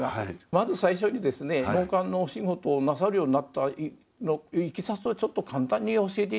まず最初にですね納棺のお仕事をなさるようになったいきさつをちょっと簡単に教えて頂けませんでしょうか。